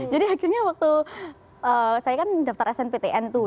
jadi akhirnya waktu saya kan daftar smptn tuh